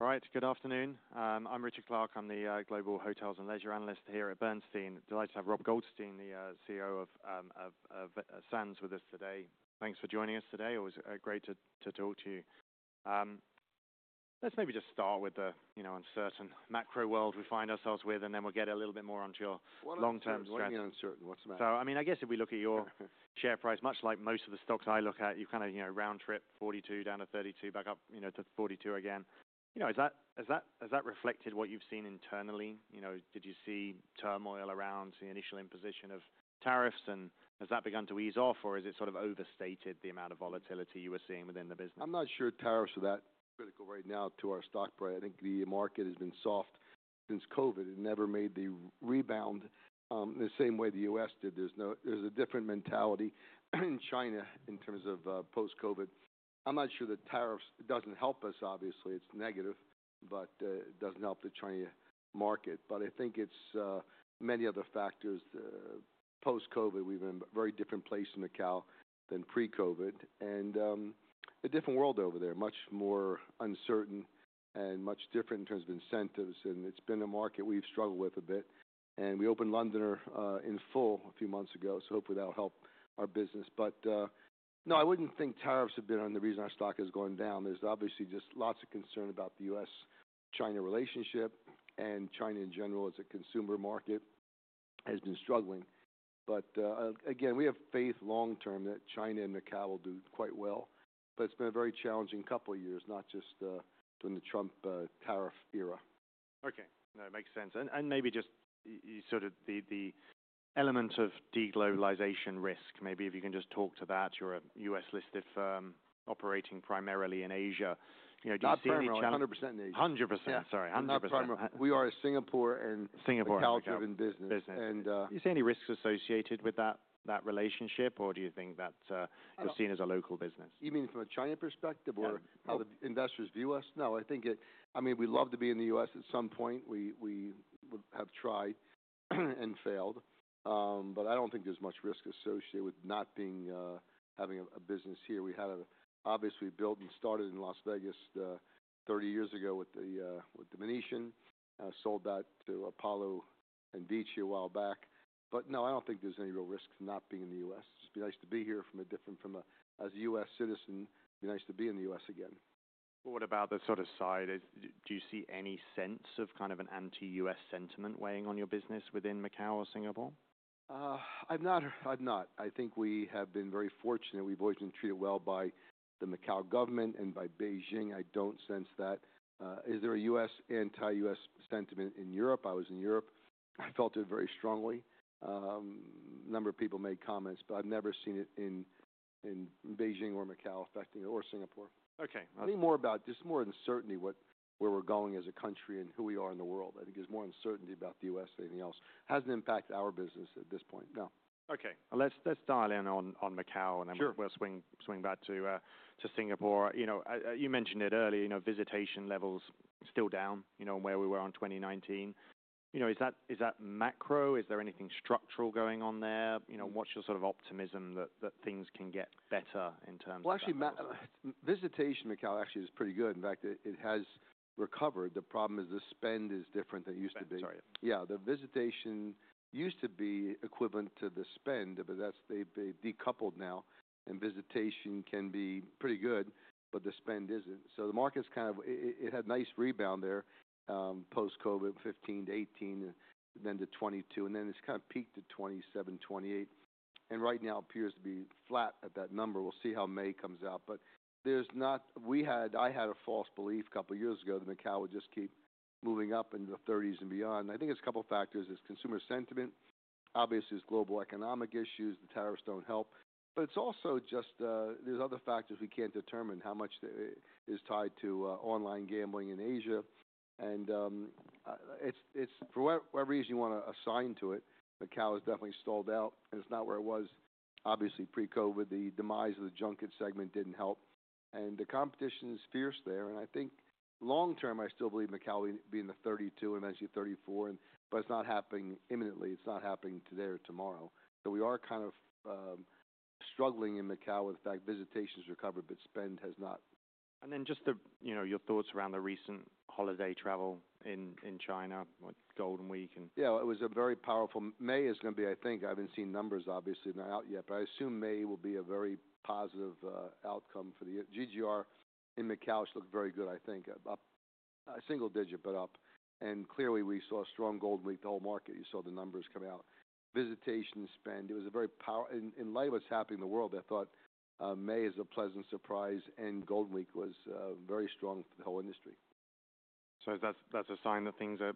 Right, good afternoon. I'm Richard Clarke. I'm the Global Hotels and Leisure Analyst here at Bernstein. Delighted to have Rob Goldstein, the CEO of Sands with us today. Thanks for joining us today. Always great to talk to you. Let's maybe just start with the, you know, uncertain macro world we find ourselves with, and then we'll get a little bit more onto your long-term strategy. What is really uncertain? What's the macro? I mean, I guess if we look at your share price, much like most of the stocks I look at, you kind of, you know, round trip, $42 down to $32, back up, you know, to $42 again. You know, has that reflected what you've seen internally? You know, did you see turmoil around the initial imposition of tariffs, and has that begun to ease off, or is it sort of overstated the amount of volatility you were seeing within the business? I'm not sure tariffs are that critical right now to our stock price. I think the market has been soft since COVID. It never made the rebound, the same way the U.S. did. There's no, there's a different mentality in China in terms of, post-COVID. I'm not sure that tariffs doesn't help us, obviously. It's negative, but, it doesn't help the Chinese market. I think it's, many other factors. Post-COVID, we've been in a very different place in Macau than pre-COVID, and, a different world over there, much more uncertain and much different in terms of incentives. It's been a market we've struggled with a bit, and we opened Londoner, in full a few months ago, so hopefully that'll help our business. No, I wouldn't think tariffs have been the reason our stock has gone down. There's obviously just lots of concern about the U.S.-China relationship, and China in general as a consumer market has been struggling. Again, we have faith long-term that China and Macau will do quite well, but it's been a very challenging couple of years, not just during the Trump tariff era. Okay. No, it makes sense. Maybe just, you sort of the element of deglobalization risk, maybe if you can just talk to that. You're a US-listed firm operating primarily in Asia. You know, do you see any chance? I'm primarily 100% in Asia. 100%. Sorry. 100%. Primarily, we are a Singapore and a Macau-driven business. Singapore and business. And. Do you see any risks associated with that, that relationship, or do you think that you're seen as a local business? You mean from a China perspective or how the investors view us? Yeah. No, I think it, I mean, we'd love to be in the U.S. at some point. We would have tried and failed. I don't think there's much risk associated with not being, having a business here. We had a, obviously, we built and started in Las Vegas, 30 years ago with the Venetian. Sold that to Apollo and VICI a while back. No, I don't think there's any real risk to not being in the U.S. It'd be nice to be here from a different, from a, as a U.S. citizen, it'd be nice to be in the U.S. again. What about the sort of side? Do you see any sense of kind of an anti-U.S. sentiment weighing on your business within Macau or Singapore? I've not, I've not. I think we have been very fortunate. We've always been treated well by the Macau government and by Beijing. I don't sense that. Is there a U.S. anti-U.S. sentiment in Europe? I was in Europe. I felt it very strongly. A number of people made comments, but I've never seen it in Beijing or Macau affecting it or Singapore. Okay. I think more about just more uncertainty what, where we're going as a country and who we are in the world. I think there's more uncertainty about the U.S. than anything else. Hasn't impacted our business at this point. No. Okay. Let's dial in on Macau, and I'm gonna swing back to Singapore. You know, you mentioned it earlier, you know, visitation levels still down, you know, where we were in 2019. You know, is that macro? Is there anything structural going on there? You know, what's your sort of optimism that things can get better in terms of? Actually, visitation in Macau actually is pretty good. In fact, it has recovered. The problem is the spend is different than it used to be. Okay. Sorry. Yeah. The visitation used to be equivalent to the spend, but that's, they've decoupled now, and visitation can be pretty good, but the spend isn't. The market's kind of, it had a nice rebound there, post-COVID, 2015-2018, and then to 2022, and then it's kind of peaked at 2027, 2028. Right now it appears to be flat at that number. We'll see how May comes out, but there's not, I had a false belief a couple of years ago that Macau would just keep moving up into the 30s and beyond. I think it's a couple of factors. It's consumer sentiment, obviously there's global economic issues, the tariffs don't help, but it's also just, there's other factors we can't determine how much is tied to online gambling in Asia. It is, for whatever reason you wanna assign to it, Macau has definitely stalled out, and it is not where it was, obviously, pre-COVID. The demise of the junket segment did not help, and the competition is fierce there. I think long-term, I still believe Macau will be in the $32 billion and eventually $34 billion, but it is not happening imminently. It is not happening today or tomorrow. We are kind of struggling in Macau with the fact visitation has recovered, but spend has not. Just the, you know, your thoughts around the recent holiday travel in, in China, like Golden Week. Yeah, it was a very powerful May is gonna be, I think, I haven't seen numbers obviously now out yet, but I assume May will be a very positive outcome for the GGR in Macau should look very good, I think, up, up a single digit, but up. Clearly we saw a strong Golden Week, the whole market. You saw the numbers come out. Visitation, spend, it was a very power in, in light of what's happening in the world, I thought, May is a pleasant surprise, and Golden Week was very strong for the whole industry. Is that a sign that things are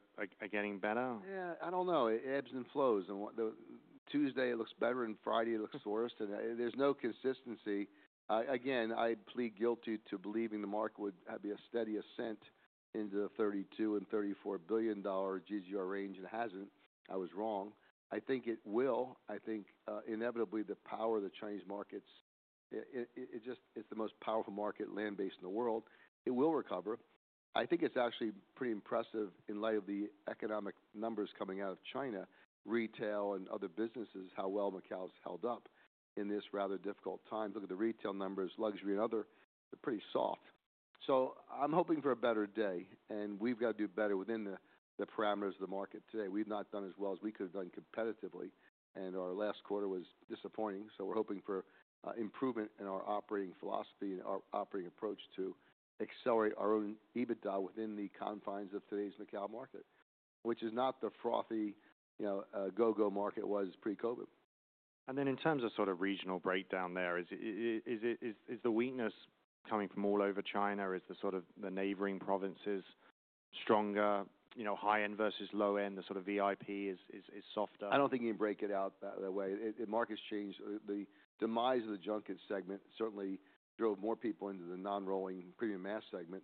getting better? Yeah. I don't know. It ebbs and flows. What the Tuesday looks better, and Friday looks worse, and there's no consistency. Again, I plead guilty to believing the market would have been a steady ascent into the $32 billion and $34 billion GGR range, and it hasn't. I was wrong. I think it will. I think, inevitably, the power of the Chinese markets, it just, it's the most powerful market land-based in the world. It will recover. I think it's actually pretty impressive in light of the economic numbers coming out of China, retail, and other businesses, how well Macau's held up in this rather difficult time. Look at the retail numbers, luxury, and other, they're pretty soft. I'm hoping for a better day, and we've gotta do better within the parameters of the market today. We've not done as well as we could've done competitively, and our last quarter was disappointing. We are hoping for improvement in our operating philosophy and our operating approach to accelerate our own EBITDA within the confines of today's Macau market, which is not the frothy, you know, go-go market it was pre-COVID. In terms of sort of regional breakdown there, is the weakness coming from all over China? Is the sort of the neighboring provinces stronger? You know, high-end versus low-end, the sort of VIP is softer? I don't think you can break it out that way. The market's changed. The demise of the junket segment certainly drove more people into the non-rolling premium mass segment,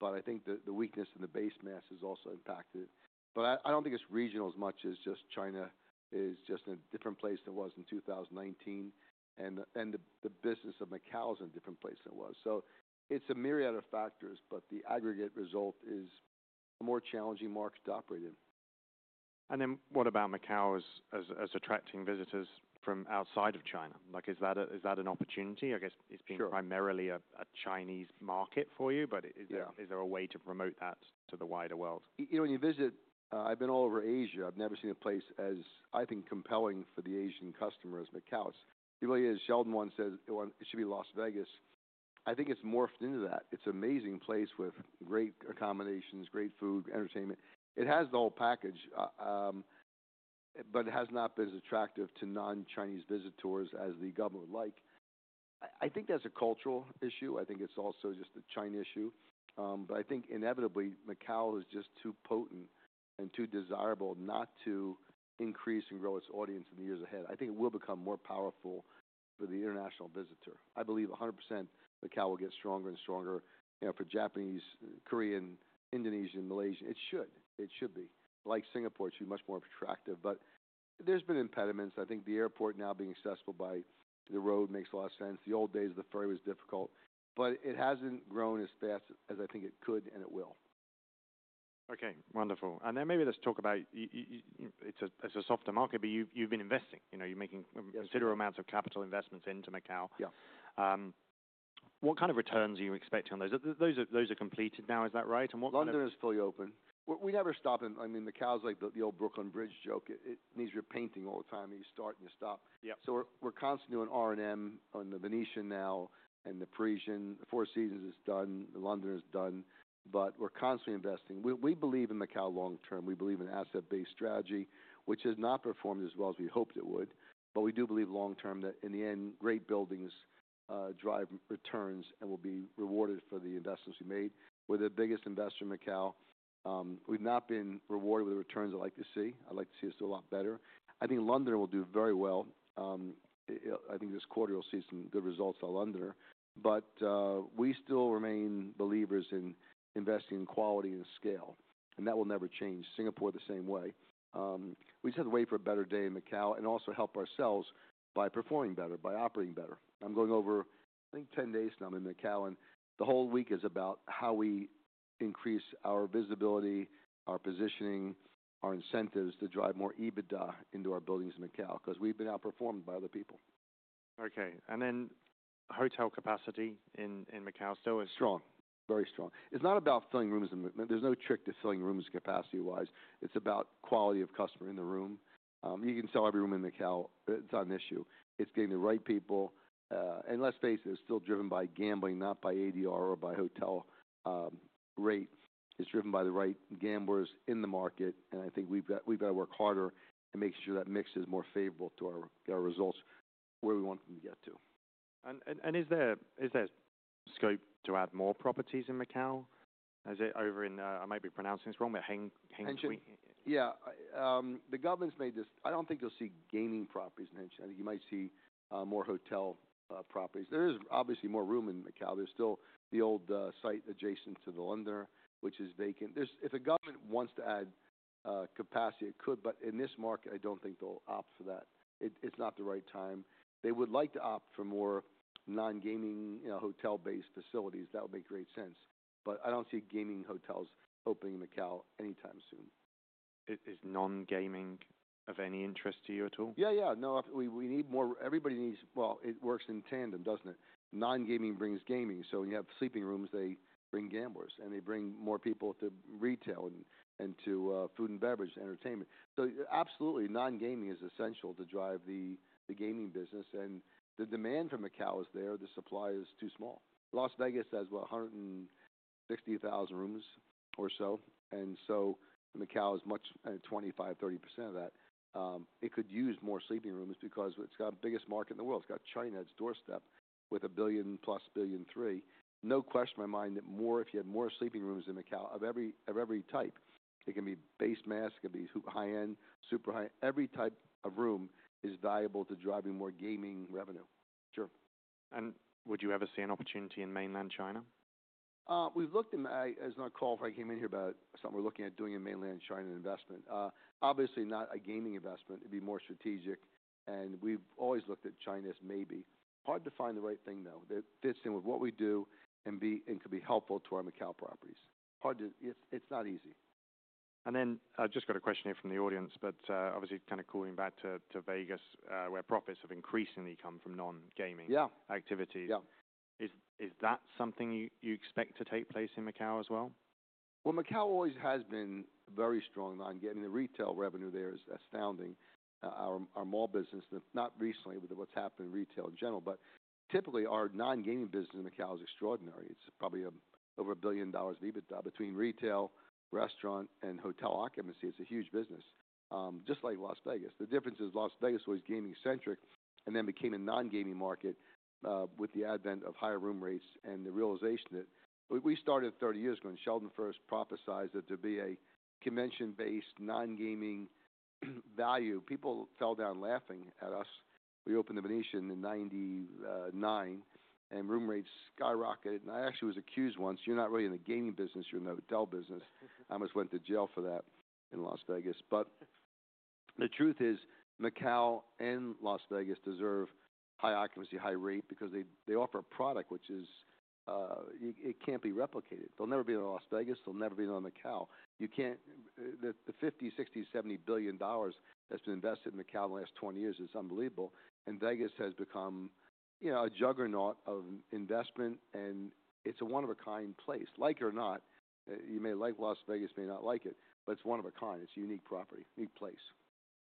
but I think the weakness in the base mass has also impacted it. I don't think it's regional as much as just China is just in a different place than it was in 2019, and the business of Macau's in a different place than it was. It's a myriad of factors, but the aggregate result is a more challenging market to operate in. What about Macau as attracting visitors from outside of China? Like, is that an opportunity? I guess it's been. Sure. Primarily a Chinese market for you, but is there. Yeah. Is there a way to promote that to the wider world? You know, when you visit, I've been all over Asia. I've never seen a place as, I think, compelling for the Asian customer as Macau's. It really is. Sheldon once says, it should be Las Vegas. I think it's morphed into that. It's an amazing place with great accommodations, great food, entertainment. It has the whole package, but it has not been as attractive to non-Chinese visitors as the government would like. I think that's a cultural issue. I think it's also just a China issue. I think inevitably Macau is just too potent and too desirable not to increase and grow its audience in the years ahead. I think it will become more powerful for the international visitor. I believe 100% Macau will get stronger and stronger, you know, for Japanese, Korean, Indonesian, Malaysian. It should. It should be. Like Singapore, it should be much more attractive, but there have been impediments. I think the airport now being accessible by the road makes a lot of sense. In the old days the ferry was difficult, but it has not grown as fast as I think it could and it will. Okay. Wonderful. Maybe let's talk about, you know, it's a, it's a softer market, but you've been investing. You know, you're making considerable amounts of capital investments into Macau. Yeah. What kind of returns are you expecting on those? Those are completed now, is that right? And what kind of. London is fully open. We never stop in, I mean, Macau's like the old Brooklyn Bridge joke. It means you're painting all the time. You start and you stop. Yep. We're constantly doing R&M on the Venetian now and the Parisian. The Four Seasons is done. The Londoner is done, but we're constantly investing. We believe in Macau long-term. We believe in an asset-based strategy, which has not performed as well as we hoped it would, but we do believe long-term that in the end, great buildings drive returns and will be rewarded for the investments we made. We're the biggest investor in Macau. We've not been rewarded with the returns I'd like to see. I'd like to see us do a lot better. I think Londoner will do very well. I think this quarter we'll see some good results out of Londoner, but we still remain believers in investing in quality and scale, and that will never change. Singapore the same way. We just have to wait for a better day in Macau and also help ourselves by performing better, by operating better. I'm going over, I think, 10 days now. I'm in Macau, and the whole week is about how we increase our visibility, our positioning, our incentives to drive more EBITDA into our buildings in Macau 'cause we've been outperformed by other people. Okay. And then hotel capacity in, in Macau still is? Strong. Very strong. It's not about filling rooms and there's no trick to filling rooms capacity-wise. It's about quality of customer in the room. You can sell every room in Macau. It's not an issue. It's getting the right people. Let's face it, it's still driven by gambling, not by ADR or by hotel rate. It's driven by the right gamblers in the market, and I think we've got to work harder and make sure that mix is more favorable to our results where we want them to get to. Is there scope to add more properties in Macau? Is it over in, I might be pronouncing this wrong, but Hengqin? Hengqin. Yeah. The government's made this, I do not think you'll see gaming properties in Hengqin. I think you might see more hotel properties. There is obviously more room in Macau. There's still the old site adjacent to The Londoner, which is vacant. If the government wants to add capacity, it could, but in this market, I do not think they'll opt for that. It's not the right time. They would like to opt for more non-gaming, you know, hotel-based facilities. That would make great sense, but I do not see gaming hotels opening in Macau anytime soon. Is non-gaming of any interest to you at all? Yeah. Yeah. No. We need more. Everybody needs, well, it works in tandem, does it not? Non-gaming brings gaming. When you have sleeping rooms, they bring gamblers, and they bring more people to retail and to food and beverage, entertainment. Absolutely, non-gaming is essential to drive the gaming business, and the demand for Macau is there. The supply is too small. Las Vegas has what, 160,000 rooms or so, and Macau is much, 25%-30% of that. It could use more sleeping rooms because it has the biggest market in the world. It has China at its doorstep with a billion-plus, billion three. No question in my mind that more, if you had more sleeping rooms in Macau of every, of every type, it can be base mass, it could be high-end, super high, every type of room is valuable to driving more gaming revenue. Sure. Would you ever see an opportunity in mainland China? We've looked in, it's not a call for I came in here about something we're looking at doing in mainland China investment. Obviously not a gaming investment. It'd be more strategic, and we've always looked at China as maybe. Hard to find the right thing though that fits in with what we do and be, and could be helpful to our Macau properties. Hard to, it's, it's not easy. Just got a question here from the audience, but, obviously kind of calling back to Vegas, where profits have increasingly come from non-gaming. Yeah. Activity. Yeah. Is that something you expect to take place in Macau as well? Macau always has been very strong non-gaming. The retail revenue there is astounding. Our mall business, not recently with what's happened in retail in general, but typically our non-gaming business in Macau is extraordinary. It's probably over $1 billion of EBITDA between retail, restaurant, and hotel occupancy. It's a huge business, just like Las Vegas. The difference is Las Vegas was gaming-centric and then became a non-gaming market, with the advent of higher room rates and the realization that we started 30 years ago, and Sheldon first prophesized that there'd be a convention-based non-gaming value. People fell down laughing at us. We opened the Venetian in 1999, and room rates skyrocketed. I actually was accused once, "You're not really in the gaming business. You're in the hotel business." I almost went to jail for that in Las Vegas. The truth is Macau and Las Vegas deserve high occupancy, high rate because they offer a product which is, it can't be replicated. They'll never be in Las Vegas. They'll never be in Macau. You can't, the $50 billion-$60 billion-$70 billion that's been invested in Macau in the last 20 years is unbelievable. Vegas has become, you know, a juggernaut of investment, and it's a one-of-a-kind place. Like it or not, you may like Las Vegas, may not like it, but it's one of a kind. It's a unique property, unique place.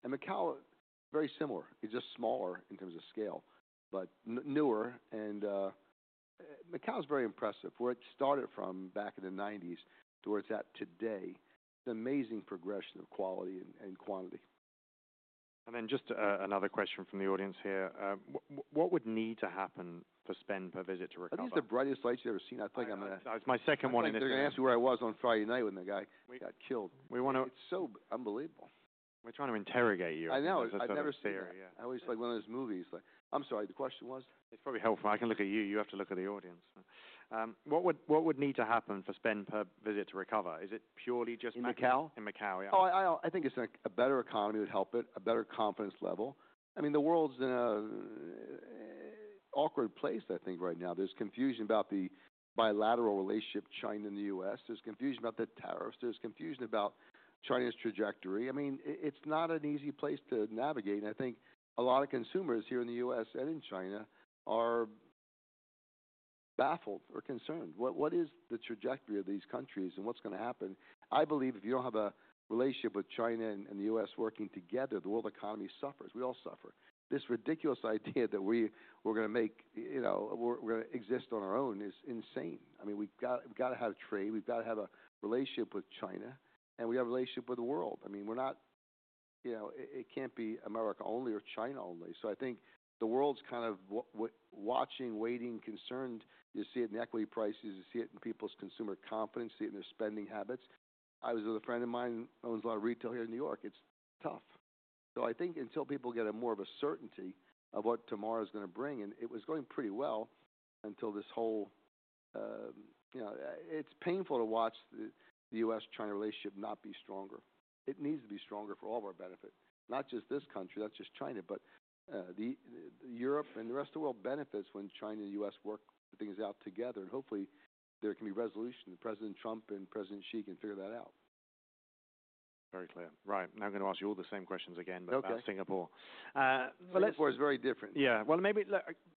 Macau is very similar. It's just smaller in terms of scale, but newer. Macau's very impressive. Where it started from back in the 1990s to where it's at today, it's an amazing progression of quality and quantity. Just, another question from the audience here. What would need to happen for spend per visit to recover? I think it's the brightest lights you've ever seen. I think I'm gonna. That's my second one in this room. They're gonna ask me where I was on Friday night when the guy got killed. We wanna. It's so unbelievable. We're trying to interrogate you. I know. I've never seen it. I know. Yeah. I always like one of those movies. Like, I'm sorry. The question was? It's probably helpful. I can look at you. You have to look at the audience. What would, what would need to happen for spend per visit to recover? Is it purely just in Macau? In Macau, yeah. Oh, I think it's a better economy would help it, a better confidence level. I mean, the world's in an awkward place, I think, right now. There's confusion about the bilateral relationship, China and the U.S. There's confusion about the tariffs. There's confusion about China's trajectory. I mean, it's not an easy place to navigate, and I think a lot of consumers here in the U.S. and in China are baffled or concerned. What is the trajectory of these countries and what's gonna happen? I believe if you don't have a relationship with China and the U.S. working together, the world economy suffers. We all suffer. This ridiculous idea that we're gonna make, you know, we're gonna exist on our own is insane. I mean, we've got, we've gotta have trade. We've gotta have a relationship with China, and we have a relationship with the world. I mean, we're not, you know, it can't be America only or China only. I think the world's kind of watching, waiting, concerned. You see it in equity prices. You see it in people's consumer confidence. You see it in their spending habits. I was with a friend of mine who owns a lot of retail here in New York. It's tough. I think until people get more of a certainty of what tomorrow's gonna bring, and it was going pretty well until this whole, you know, it's painful to watch the U.S.-China relationship not be stronger. It needs to be stronger for all of our benefit, not just this country, not just China, but Europe and the rest of the world benefits when China and the U.S. work things out together, and hopefully there can be resolution. President Trump and President Xi can figure that out. Very clear. Right. Now I'm gonna ask you all the same questions again about. Okay. Singapore. well. Singapore is very different. Yeah.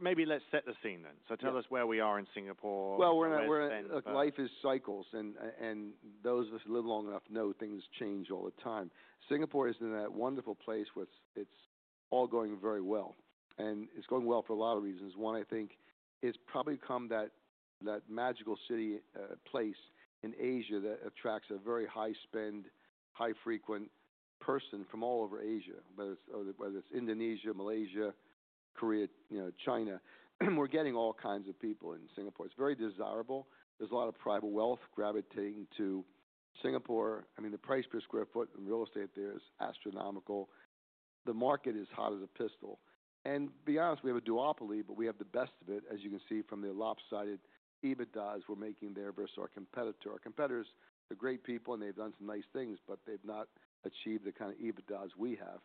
Maybe let's set the scene then. Tell us where we are in Singapore. We're in a, look, life is cycles, and those that live long enough know things change all the time. Singapore is in a wonderful place where it's all going very well, and it's going well for a lot of reasons. One, I think, it's probably become that magical city, place in Asia that attracts a very high-spend, high-frequent person from all over Asia, whether it's Indonesia, Malaysia, Korea, you know, China. We're getting all kinds of people in Singapore. It's very desirable. There's a lot of private wealth gravitating to Singapore. I mean, the price per sq ft in real estate there is astronomical. The market is hot as a pistol. To be honest, we have a duopoly, but we have the best of it, as you can see from the lopsided EBITDAs we're making there versus our competitor. Our competitors, they're great people, and they've done some nice things, but they've not achieved the kind of EBITDA s we have.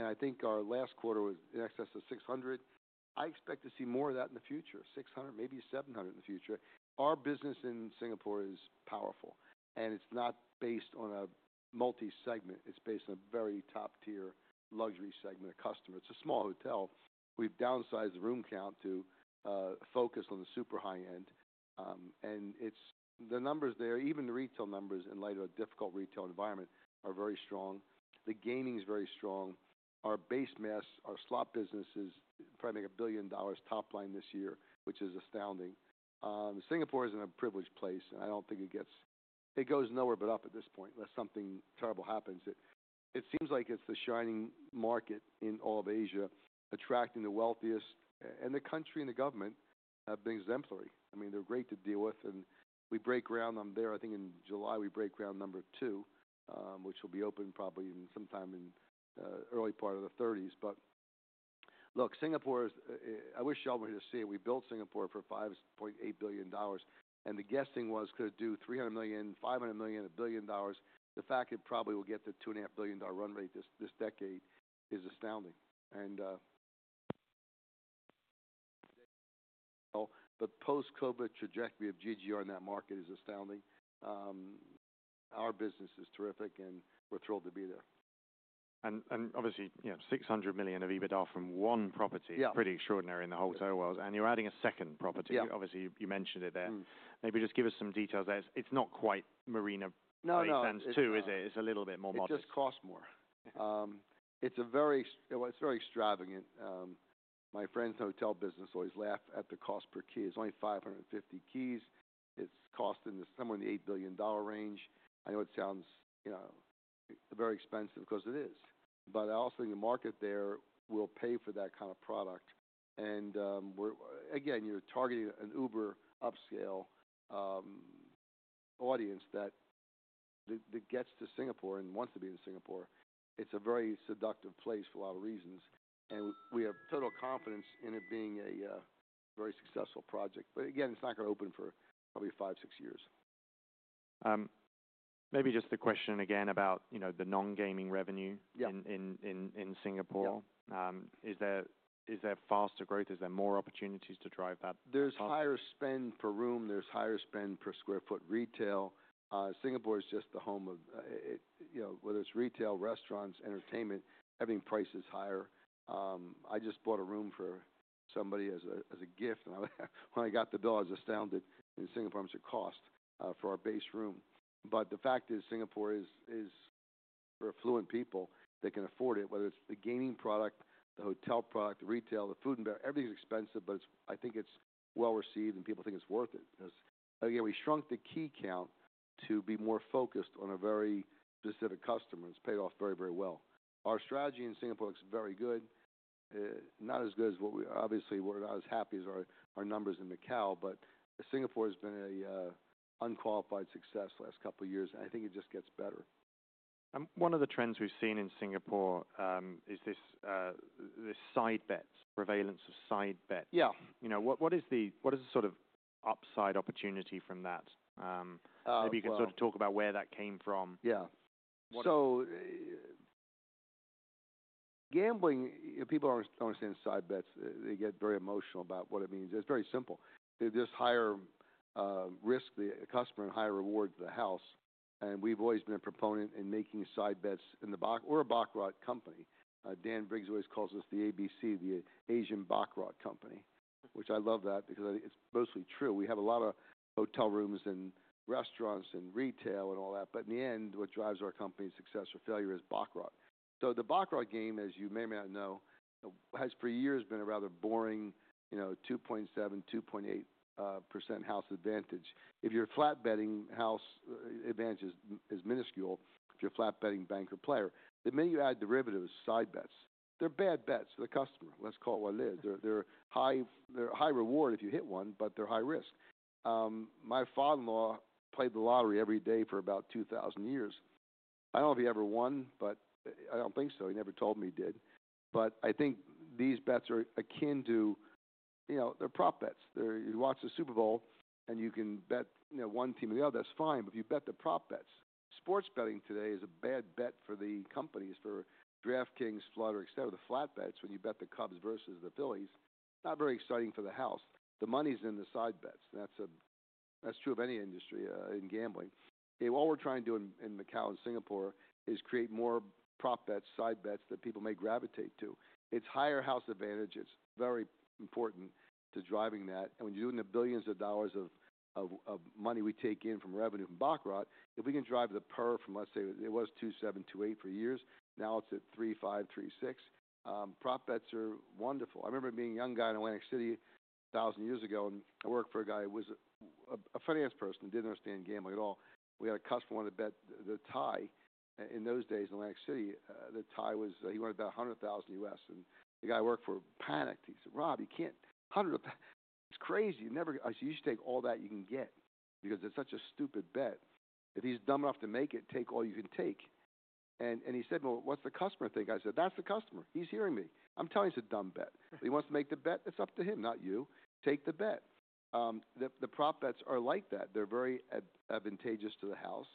I think our last quarter was in excess of $600 million. I expect to see more of that in the future, $600 million, maybe $700 million in the future. Our business in Singapore is powerful, and it's not based on a multi-segment. It's based on a very top-tier luxury segment of customer. It's a small hotel. We've downsized the room count to focus on the super high-end, and it's the numbers there, even the retail numbers in light of a difficult retail environment, are very strong. The gaming's very strong. Our base mass, our slot businesses probably make $1 billion top line this year, which is astounding. Singapore isn't a privileged place, and I don't think it gets, it goes nowhere but up at this point unless something terrible happens. It seems like it's the shining market in all of Asia, attracting the wealthiest, and the country and the government have been exemplary. I mean, they're great to deal with, and we break ground on there. I think in July we break ground number two, which will be open probably sometime in the early part of the 2030s. Singapore is, I wish y'all were here to see it. We built Singapore for $5.8 billion, and the guessing was could do $300 million, $500 million, $1 billion. The fact it probably will get to a $2.5 billion run rate this decade is astounding. The post-COVID trajectory of GGR in that market is astounding. Our business is terrific, and we're thrilled to be there. Obviously, you know, $600 million of EBITDA from one property. Yeah. Pretty extraordinary in the hotel world. You're adding a second property. Yeah. Obviously, you mentioned it there. Maybe just give us some details. It's not quite Marina. No, no. Make sense too, is it? It's a little bit more modest. It just costs more. It's a very, well, it's very extravagant. My friend's hotel business always laughs at the cost per key. It's only 550 keys. It's costing somewhere in the $8 billion range. I know it sounds, you know, very expensive 'cause it is, but I also think the market there will pay for that kind of product. We're, again, targeting an uber-upscale audience that gets to Singapore and wants to be in Singapore. It's a very seductive place for a lot of reasons, and we have total confidence in it being a very successful project. Again, it's not gonna open for probably five, six years. maybe just the question again about, you know, the non-gaming revenue. Yeah. In Singapore. Yeah. Is there, is there faster growth? Is there more opportunities to drive that? There's higher spend per room. There's higher spend per square foot retail. Singapore is just the home of, you know, whether it's retail, restaurants, entertainment, everything price is higher. I just bought a room for somebody as a, as a gift, and I, when I got the bill, I was astounded in Singapore how much it cost, for our base room. The fact is Singapore is, is for affluent people. They can afford it, whether it's the gaming product, the hotel product, the retail, the food and beer, everything's expensive, but it's, I think it's well received and people think it's worth it. Again, we shrunk the key count to be more focused on a very specific customer, and it's paid off very, very well. Our strategy in Singapore looks very good. Not as good as what we, obviously, we're not as happy as our numbers in Macau, but Singapore has been an unqualified success the last couple of years, and I think it just gets better. One of the trends we've seen in Singapore is this side bet, surveillance of side bets. Yeah. You know, what is the sort of upside opportunity from that? Maybe you can sort of talk about where that came from. Yeah. So gambling, people do not understand side bets. They get very emotional about what it means. It is very simple. They are just higher risk to the customer and higher reward to the house. We have always been a proponent in making side bets in the box, we are a baccarat company. Dan Briggs always calls us the ABC, the Asian baccarat company, which I love that because I think it is mostly true. We have a lot of hotel rooms and restaurants and retail and all that, but in the end, what drives our company's success or failure is baccarat. So the baccarat game, as you may or may not know, has for years been a rather boring, you know, 2.7%, 2.8% house advantage. If you are flat betting, house advantage is minuscule if you are flat betting banker player. The minute you add derivatives, side bets, they are bad bets for the customer. Let's call it what it is. They're high, they're high reward if you hit one, but they're high risk. My father-in-law played the lottery every day for about 2,000 years. I don't know if he ever won, but I don't think so. He never told me he did. I think these bets are akin to, you know, they're prop bets. You watch the Super Bowl and you can bet, you know, one team or the other. That's fine, but if you bet the prop bets, sports betting today is a bad bet for the companies, for DraftKings, Flutter, etc. The flat bets, when you bet the Cubs versus the Phillies, not very exciting for the house. The money's in the side bets. That's true of any industry, in gambling. What we're trying to do in Macau and Singapore is create more prop bets, side bets that people may gravitate to. It's higher house advantage. It's very important to driving that. When you're doing the billions of dollars of money we take in from revenue from baccarat, if we can drive the per from, let's say, it was 2.7, 2.8 for years, now it's at 3.5, 3.6. Prop bets are wonderful. I remember being a young guy in Atlantic City a thousand years ago, and I worked for a guy who was a finance person that didn't understand gambling at all. We had a customer who wanted to bet the tie in those days in Atlantic City. The tie was, he wanted about $100,000, and the guy I worked for panicked. He said, "Rob, you can't $100,000. It's crazy. You never go." I said, "You should take all that you can get because it's such a stupid bet. If he's dumb enough to make it, take all you can take." He said, "What's the customer think?" I said, "That's the customer. He's hearing me. I'm telling him it's a dumb bet. If he wants to make the bet, it's up to him, not you. Take the bet." The prop bets are like that. They're very advantageous to the house,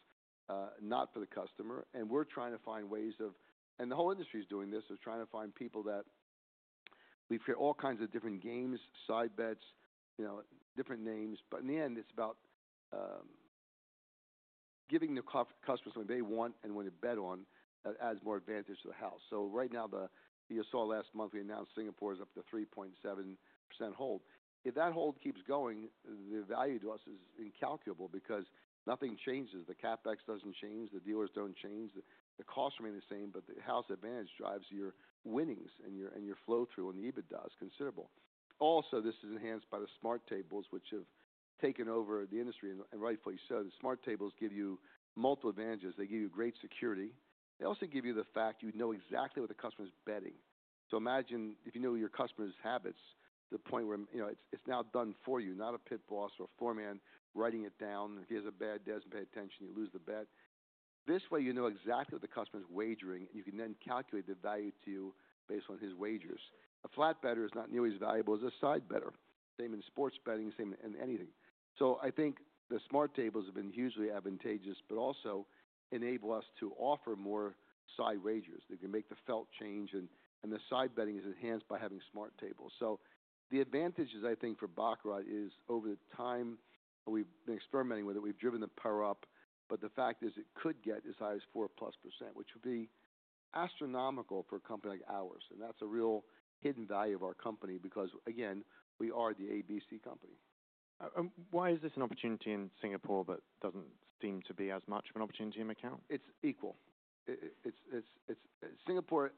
not for the customer. We're trying to find ways of, and the whole industry's doing this. They're trying to find people that, we've heard all kinds of different games, side bets, you know, different names. In the end, it's about giving the customers something they want and want to bet on that adds more advantage to the house. Right now, you saw last month we announced Singapore is up to 3.7% hold. If that hold keeps going, the value to us is incalculable because nothing changes. The CapEx does not change. The dealers do not change. The costs remain the same, but the house advantage drives your winnings and your flow through, and the EBITDA is considerable. Also, this is enhanced by the smart tables, which have taken over the industry. And rightfully so, the smart tables give you multiple advantages. They give you great security. They also give you the fact you know exactly what the customer's betting. Imagine if you know your customer's habits to the point where, you know, it is now done for you, not a pit boss or a foreman writing it down. If he has a bad day and you pay attention, you lose the bet. This way, you know exactly what the customer's wagering, and you can then calculate the value to you based on his wagers. A flat better is not nearly as valuable as a side better. Same in sports betting, same in anything. I think the smart tables have been hugely advantageous, but also enable us to offer more side wagers. They can make the felt change, and the side betting is enhanced by having smart tables. The advantages, I think, for baccarat is over the time we've been experimenting with it, we've driven the power up, but the fact is it could get as high as 4+%, which would be astronomical for a company like ours. That's a real hidden value of our company because, again, we are the ABC company. Why is this an opportunity in Singapore but doesn't seem to be as much of an opportunity in Macau? It's equal. It's Singapore,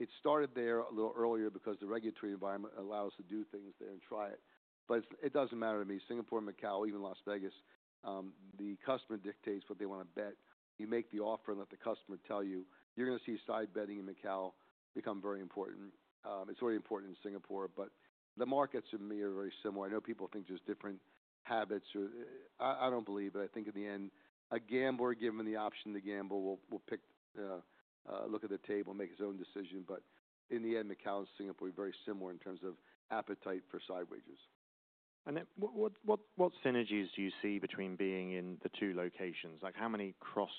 it started there a little earlier because the regulatory environment allows us to do things there and try it. It doesn't matter to me. Singapore, Macau, even Las Vegas, the customer dictates what they want to bet. You make the offer and let the customer tell you. You're gonna see side betting in Macau become very important. It's very important in Singapore, but the markets to me are very similar. I know people think there's different habits or, I, I don't believe, but I think in the end, a gambler given the option to gamble will pick, look at the table and make his own decision. In the end, Macau and Singapore are very similar in terms of appetite for side wagers. What synergies do you see between being in the two locations? Like how many cross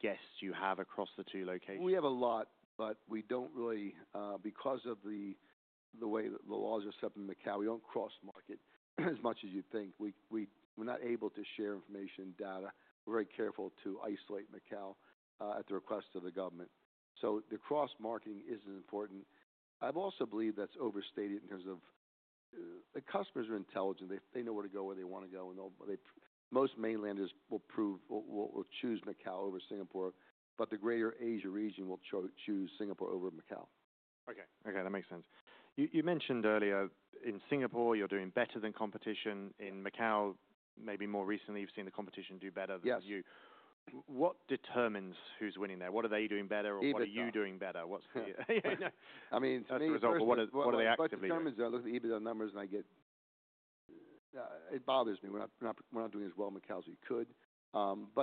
guests do you have across the two locations? We have a lot, but we don't really, because of the way the laws are set up in Macau, we don't cross-market as much as you'd think. We're not able to share information and data. We're very careful to isolate Macau, at the request of the government. The cross-marketing isn't important. I've also believed that's overstated in terms of, the customers are intelligent. They know where to go, where they want to go, and most mainlanders will choose Macau over Singapore, but the greater Asia region will choose Singapore over Macau. Okay. That makes sense. You mentioned earlier in Singapore you're doing better than competition. In Macau, maybe more recently, you've seen the competition do better than you. Yes. What determines who's winning there? What are they doing better or what are you doing better? What's the, you know? I mean, to me. As a result, what are they actively? What determines that? I look at the EBITDA numbers and I get, it bothers me when I'm not doing as well in Macau as we could.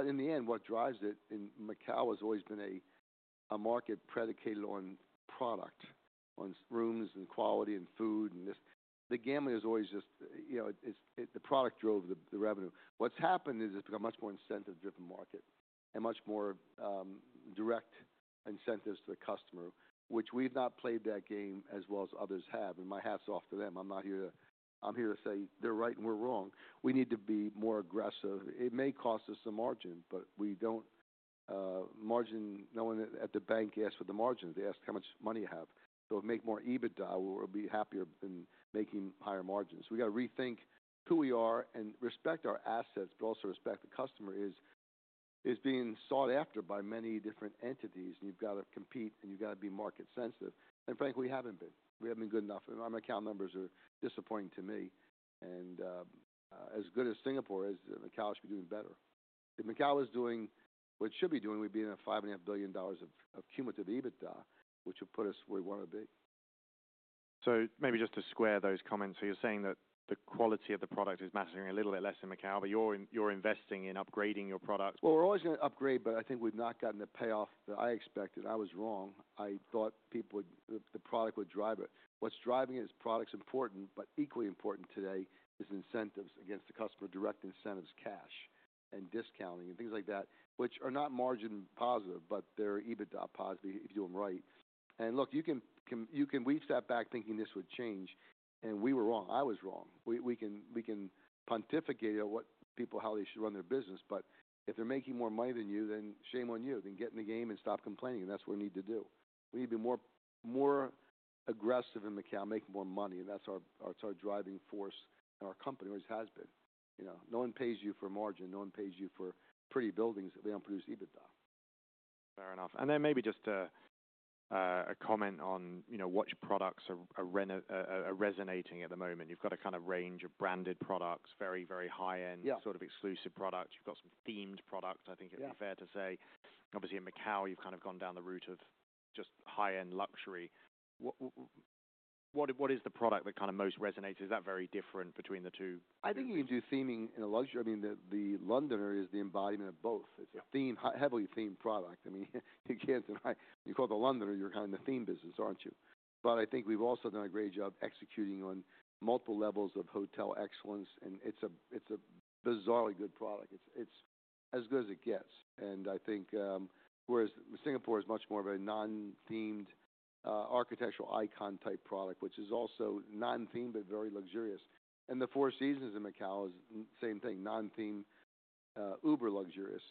In the end, what drives it in Macau has always been a market predicated on product, on rooms and quality and food and this. The gambling has always just, you know, the product drove the revenue. What's happened is it's become a much more incentive-driven market and much more direct incentives to the customer, which we've not played that game as well as others have. My hat's off to them. I'm not here to, I'm here to say they're right and we're wrong. We need to be more aggressive. It may cost us the margin, but we don't, margin, no one at the bank asks for the margin. They ask how much money you have. If we make more EBITDA, we'll be happier than making higher margins. We gotta rethink who we are and respect our assets, but also respect the customer is being sought after by many different entities, and you've gotta compete and you've gotta be market sensitive. Frankly, we haven't been. We haven't been good enough. Our Macau numbers are disappointing to me. As good as Singapore is, Macau should be doing better. If Macau was doing what it should be doing, we'd be in a $5.5 billion of cumulative EBITDA, which would put us where we want to be. Maybe just to square those comments. You're saying that the quality of the product is mattering a little bit less in Macau, but you're investing in upgrading your product. We're always gonna upgrade, but I think we've not gotten the payoff that I expected. I was wrong. I thought people would, the product would drive it. What's driving it is product's important, but equally important today is incentives against the customer, direct incentives, cash and discounting and things like that, which are not margin positive, but they're EBITDA positive if you do them right. Look, you can weave that back thinking this would change, and we were wrong. I was wrong. We can pontificate about what people, how they should run their business, but if they're making more money than you, then shame on you. Get in the game and stop complaining, and that's what we need to do. We need to be more, more aggressive in Macau, make more money, and that's our, that's our driving force in our company, or it has been. You know, no one pays you for margin. No one pays you for pretty buildings. They do not produce EBITDA. Fair enough. Maybe just a comment on, you know, which products are resonating at the moment. You've got a kind of range of branded products, very, very high-end. Yeah. Sort of exclusive products. You've got some themed products, I think it would be fair to say. Yeah. Obviously, in Macau, you've kind of gone down the route of just high-end luxury. What is the product that kind of most resonates? Is that very different between the two? I think you can do theming in a luxury. I mean, the Londoner is the embodiment of both. It's a themed, heavily themed product. I mean, you can't deny you call it the Londoner, you're kind of in the theme business, aren't you? I think we've also done a great job executing on multiple levels of hotel excellence, and it's a bizarrely good product. It's as good as it gets. I think, whereas Singapore is much more of a non-themed, architectural icon-type product, which is also non-themed but very luxurious. The Four Seasons in Macau is same thing, non-themed, uber luxurious.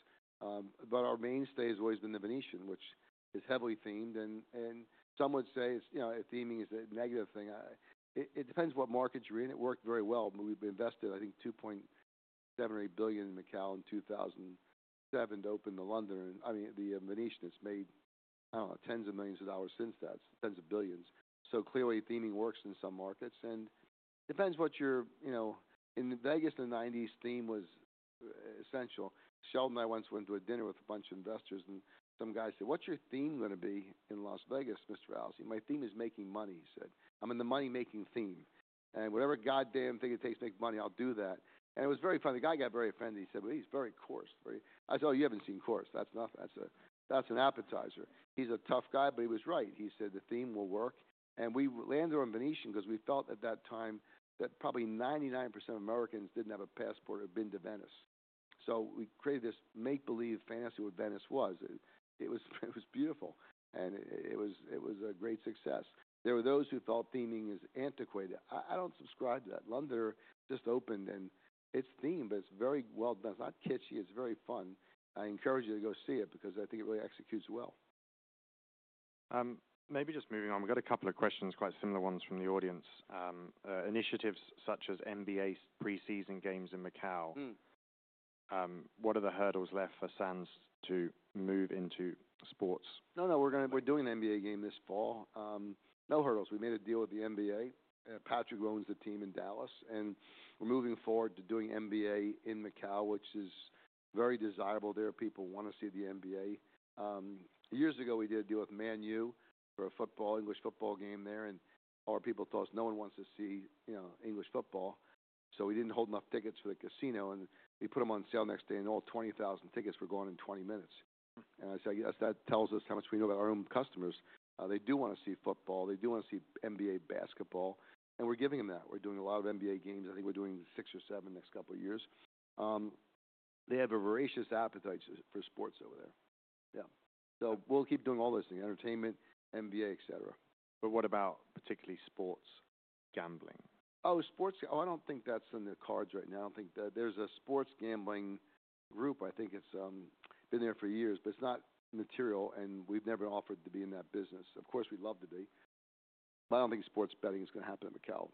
Our mainstay has always been the Venetian, which is heavily themed. Some would say it's, you know, theming is a negative thing. It depends what market you're in. It worked very well, but we've invested, I think, $2.7 billion or $2.8 billion in Macau in 2007 to open The Londoner. I mean, The Venetian has made, I don't know, tens of millions of dollars since that, tens of billions. Clearly, theming works in some markets, and it depends what you're, you know, in Vegas, the 1990s theme was essential. Sheldon and I once went to a dinner with a bunch of investors, and some guy said, "What's your theme gonna be in Las Vegas, Mr. Adelson?" "My theme is making money," he said. "I'm in the money-making theme. And whatever goddamn thing it takes to make money, I'll do that." It was very funny. The guy got very offended. He said, "Well, he's very coarse." I said, "Oh, you haven't seen coarse. That's nothing. That's an appetizer." He's a tough guy, but he was right. He said, "The theme will work." We landed on Venetian 'cause we felt at that time that probably 99% of Americans didn't have a passport or had been to Venice. We created this make-believe fantasy of what Venice was. It was beautiful, and it was a great success. There were those who felt theming is antiquated. I don't subscribe to that. Londoner just opened, and it's themed, but it's very well done. It's not kitschy. It's very fun. I encourage you to go see it because I think it really executes well. Maybe just moving on. We've got a couple of questions, quite similar ones from the audience. Initiatives such as NBA's preseason games in Macao. What are the hurdles left for Sands to move into sports? No, no. We're gonna, we're doing the NBA game this fall. No hurdles. We made a deal with the NBA. Patrick Rowan's the team in Dallas, and we're moving forward to doing NBA in Macao, which is very desirable. There are people who want to see the NBA. Years ago, we did a deal with Man U for a football, English football game there, and a lot of people told us no one wants to see, you know, English football. We didn't hold enough tickets for the casino, and we put them on sale the next day, and all 20,000 tickets were gone in 20 minutes. I said, "I guess that tells us how much we know about our own customers." They do want to see football. They do want to see NBA basketball, and we're giving them that. We're doing a lot of NBA games. I think we're doing six or seven next couple of years. They have a voracious appetite for sports over there. Yeah. So we'll keep doing all those things: entertainment, NBA, etc. What about particularly sports gambling? Oh, sports gambling, I do not think that is in the cards right now. I do not think that there is a sports gambling group. I think it has been there for years, but it is not material, and we have never been offered to be in that business. Of course, we would love to be, but I do not think sports betting is gonna happen in Macao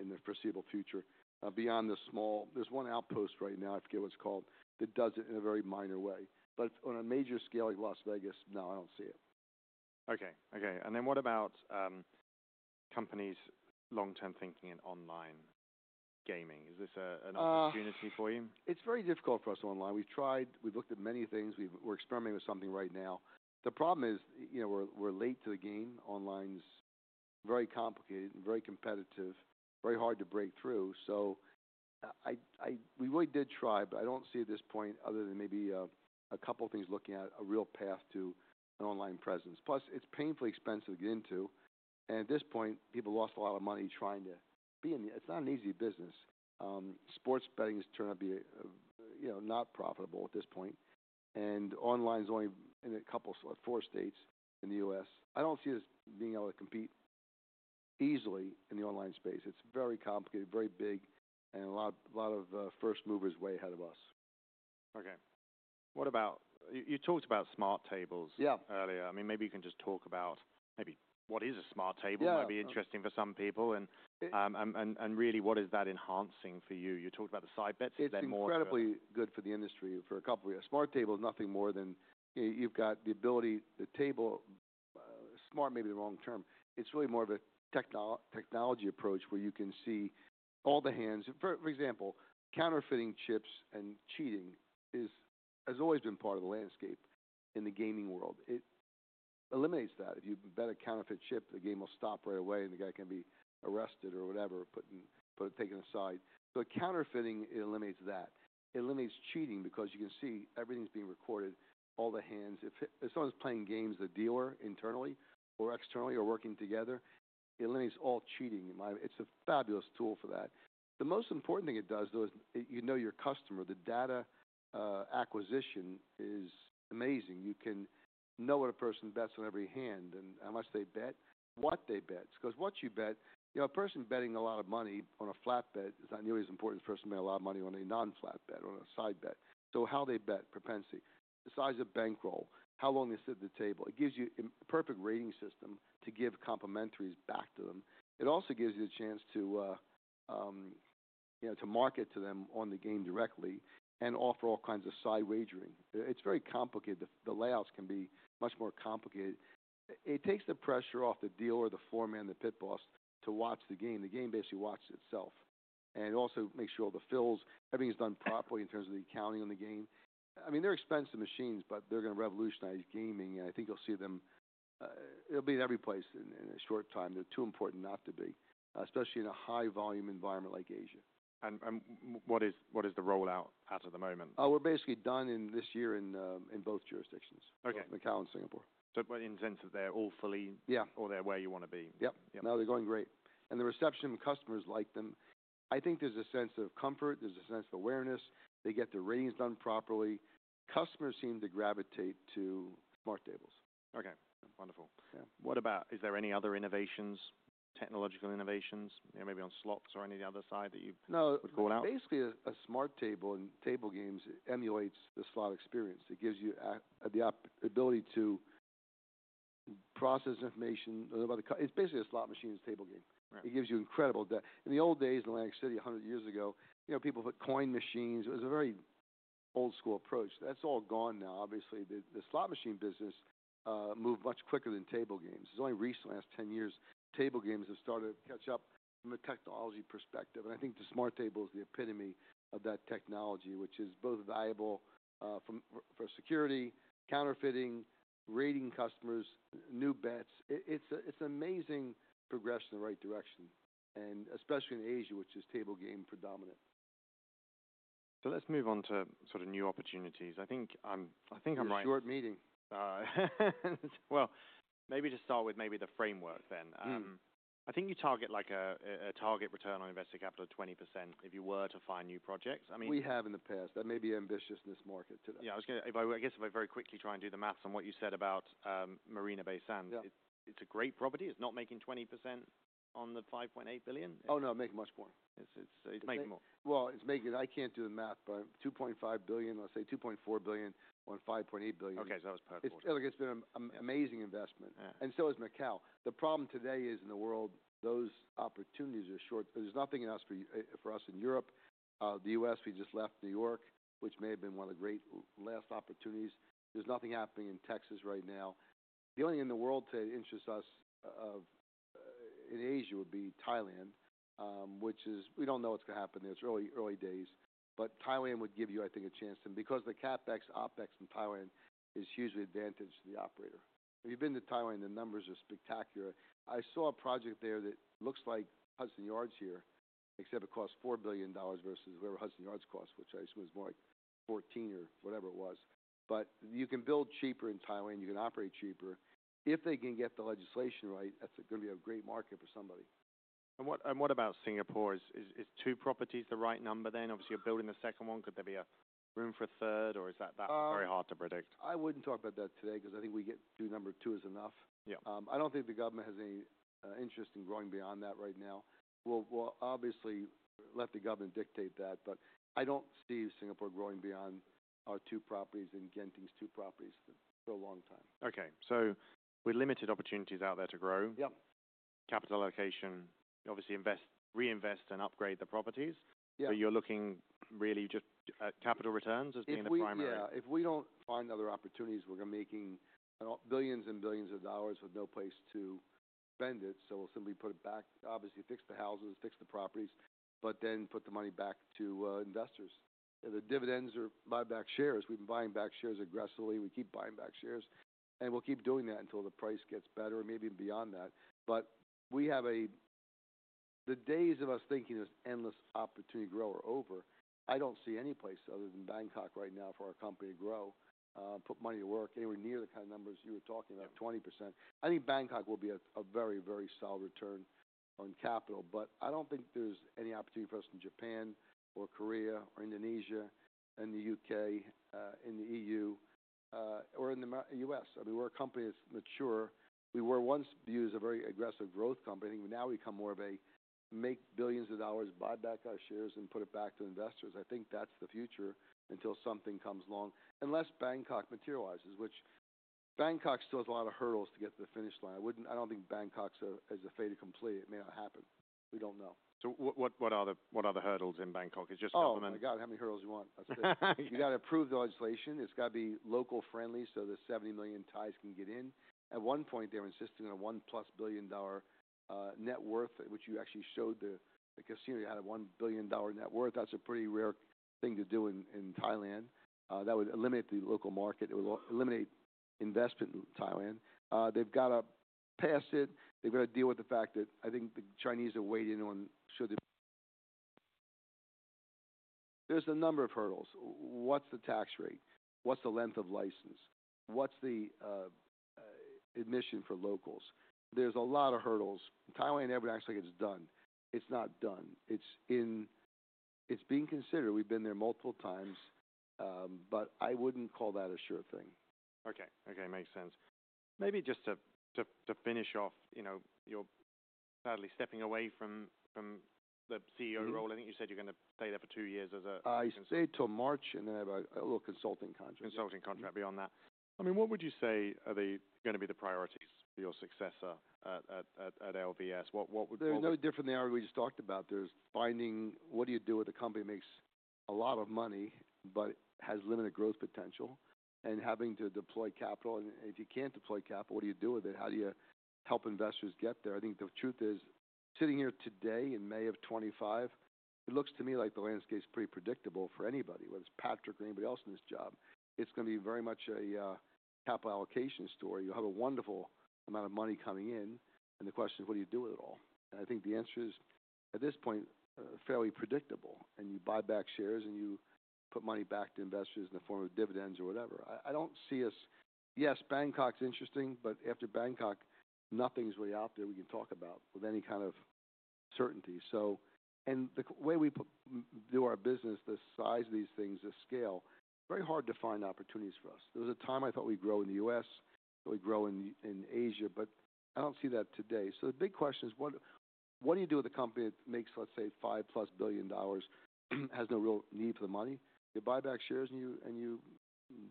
in the foreseeable future. Beyond the small, there is one outpost right now, I forget what it is called, that does it in a very minor way. On a major scale like Las Vegas, no, I do not see it. Okay. Okay. What about companies' long-term thinking in online gaming? Is this an opportunity for you? It's very difficult for us online. We've tried, we've looked at many things. We've experimented with something right now. The problem is, you know, we're late to the game. Online's very complicated and very competitive, very hard to break through. I mean, we really did try, but I don't see at this point, other than maybe a couple of things, looking at a real path to an online presence. Plus, it's painfully expensive to get into. At this point, people lost a lot of money trying to be in the, it's not an easy business. Sports betting has turned out to be, you know, not profitable at this point. Online's only in a couple of, four states in the U.S. I don't see us being able to compete easily in the online space. It's very complicated, very big, and a lot of first movers way ahead of us. Okay. What about, you talked about smart tables. Yeah. Earlier. I mean, maybe you can just talk about maybe what is a smart table. Yeah. Might be interesting for some people. And really what is that enhancing for you? You talked about the side bets. Is that more? It's incredibly good for the industry for a couple of years. Smart table's nothing more than, you know, you've got the ability, the table, smart may be the wrong term. It's really more of a technology approach where you can see all the hands. For example, counterfeiting chips and cheating has always been part of the landscape in the gaming world. It eliminates that. If you bet a counterfeit chip, the game will stop right away, and the guy can be arrested or whatever, put in, put taken aside. So counterfeiting, it eliminates that. It eliminates cheating because you can see everything's being recorded, all the hands. If someone's playing games, the dealer internally or externally or working together, it eliminates all cheating. It's a fabulous tool for that. The most important thing it does, though, is you know your customer. The data, acquisition is amazing. You can know what a person bets on every hand and how much they bet, what they bet. Because what you bet, you know, a person betting a lot of money on a flat bet is not nearly as important as a person betting a lot of money on a non-flat bet or on a side bet. So how they bet, propensity, the size of bankroll, how long they sit at the table. It gives you a perfect rating system to give complimentaries back to them. It also gives you the chance to, you know, to market to them on the game directly and offer all kinds of side wagering. It's very complicated. The layouts can be much more complicated. It takes the pressure off the dealer or the foreman or the pit boss to watch the game. The game basically watches itself and also makes sure all the fills, everything's done properly in terms of the accounting on the game. I mean, they're expensive machines, but they're gonna revolutionize gaming, and I think you'll see them, it'll be in every place in, in a short time. They're too important not to be, especially in a high-volume environment like Asia. What is the rollout at the moment? we're basically done in this year in, in both jurisdictions. Okay. Macao and Singapore. But in the sense that they're all fully. Yeah. Are they where you want to be? Yep. Yep. No, they're going great. The reception of customers like them, I think there's a sense of comfort. There's a sense of awareness. They get their ratings done properly. Customers seem to gravitate to smart tables. Okay. Wonderful. Yeah. What about, is there any other innovations, technological innovations, you know, maybe on slots or any of the other side that you would call out? No. Basically, a smart table in table games emulates the slot experience. It gives you the ability to process information about the card. It's basically a slot machine's table game. Right. It gives you incredible depth. In the old days in Atlantic City, 100 years ago, you know, people put coin machines. It was a very old-school approach. That's all gone now. Obviously, the slot machine business moved much quicker than table games. It's only recently, the last 10 years, table games have started to catch up from a technology perspective. I think the smart table is the epitome of that technology, which is both valuable for security, counterfeiting, rating customers, new bets. It's an amazing progression in the right direction, and especially in Asia, which is table game predominant. Let's move on to sort of new opportunities. I think I'm, I think I'm right. It's a short meeting. Maybe to start with, maybe the framework then. Mm-hmm. I think you target like a target return on invested capital of 20% if you were to find new projects. I mean. We have in the past. That may be ambitious in this market today. Yeah. I was gonna, if I, I guess if I very quickly try and do the maths on what you said about Marina Bay Sands. Yeah. It's a great property. It's not making 20% on the $5.8 billion. Oh, no. It's making much more. It's making more. It's making, I can't do the math, but $2.5 billion, let's say $2.4 billion on $5.8 billion. Okay. So that was perfectly. It's still, it's been an amazing investment. Yeah. Macao has as well. The problem today is in the world, those opportunities are short. There is nothing in the U.S. for us, in Europe. The U.S., we just left New York, which may have been one of the great last opportunities. There is nothing happening in Texas right now. The only thing in the world to interest us in Asia would be Thailand, which is, we do not know what is going to happen there. It is early, early days. Thailand would give you, I think, a chance to, because the CapEx, OpEx in Thailand is hugely advantageous to the operator. If you have been to Thailand, the numbers are spectacular. I saw a project there that looks like Hudson Yards here, except it costs $4 billion versus whatever Hudson Yards cost, which I assume is more like $14 billion or whatever it was. You can build cheaper in Thailand. You can operate cheaper. If they can get the legislation right, that's gonna be a great market for somebody. What about Singapore? Is two properties the right number then? Obviously, you're building the second one. Could there be room for a third, or is that very hard to predict? I wouldn't talk about that today 'cause I think we get through number two is enough. Yeah. I don't think the government has any interest in growing beyond that right now. We'll obviously let the government dictate that, but I don't see Singapore growing beyond our two properties and Genting's two properties for a long time. Okay. So with limited opportunities out there to grow. Yep. Capital allocation, obviously invest, reinvest, and upgrade the properties. Yeah. You're looking really just, capital returns as being the primary. If we, yeah. If we do not find other opportunities, we are gonna be making billions and billions of dollars with no place to spend it. We will simply put it back, obviously fix the houses, fix the properties, but then put the money back to investors. And the dividends or buy back shares. We have been buying back shares aggressively. We keep buying back shares, and we will keep doing that until the price gets better or maybe even beyond that. We have a, the days of us thinking this endless opportunity grow are over. I do not see any place other than Bangkok right now for our company to grow, put money to work anywhere near the kind of numbers you were talking about, 20%. I think Bangkok will be a very, very solid return on capital, but I don't think there's any opportunity for us in Japan or Korea or Indonesia and the U.K., in the EU, or in the U.S. I mean, we're a company that's mature. We were once viewed as a very aggressive growth company. I think now we've become more of a make billions of dollars, buy back our shares, and put it back to investors. I think that's the future until something comes along unless Bangkok materializes, which Bangkok still has a lot of hurdles to get to the finish line. I wouldn't, I don't think Bangkok's a, is a fait accompli. It may not happen. We don't know. What are the hurdles in Bangkok? Is it just government? Oh, God, how many hurdles you want. That's it. You gotta approve the legislation. It's gotta be local friendly so the 70 million Thais can get in. At one point, they were insisting on a +$1 billion net worth, which you actually showed the, the casino had a $1 billion net worth. That's a pretty rare thing to do in Thailand. That would eliminate the local market. It would eliminate investment in Thailand. They've gotta pass it. They've gotta deal with the fact that I think the Chinese are weighed in on should the—there's a number of hurdles. What's the tax rate? What's the length of license? What's the admission for locals? There's a lot of hurdles. Thailand never actually gets done. It's not done. It's in, it's being considered. We've been there multiple times, but I wouldn't call that a sure thing. Okay. Okay. Makes sense. Maybe just to finish off, you know, you're sadly stepping away from the CEO role. I think you said you're gonna stay there for two years as a consultant. I stay till March and then I have a little consulting contract. Consulting contract. Beyond that, I mean, what would you say are gonna be the priorities for your successor at LVS? What would? There's no different than the hurdle we just talked about. There's finding what do you do with a company that makes a lot of money but has limited growth potential and having to deploy capital. If you cannot deploy capital, what do you do with it? How do you help investors get there? I think the truth is, sitting here today in May of 2025, it looks to me like the landscape's pretty predictable for anybody, whether it's Patrick or anybody else in this job. It is gonna be very much a capital allocation story. You'll have a wonderful amount of money coming in, and the question is, what do you do with it all? I think the answer is, at this point, fairly predictable, and you buy back shares and you put money back to investors in the form of dividends or whatever. I don't see us—yes, Bangkok's interesting, but after Bangkok, nothing's really out there we can talk about with any kind of certainty. The way we do our business, the size of these things, the scale, very hard to find opportunities for us. There was a time I thought we'd grow in the U.S., that we'd grow in Asia, but I don't see that today. The big question is, what do you do with a company that makes, let's say, +$5 billion, has no real need for the money? You buy back shares and you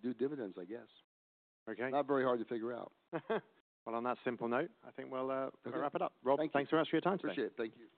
do dividends, I guess. Okay. Not very hard to figure out. On that simple note, I think we'll wrap it up. Thank you. Rob, thanks very much for your time today. Appreciate it. Thank you.